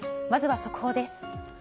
まずは速報です。